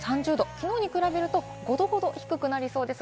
きのうに比べると５度ほど低くなりそうです。